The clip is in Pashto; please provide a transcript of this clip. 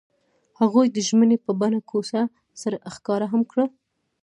هغوی د ژمنې په بڼه کوڅه سره ښکاره هم کړه.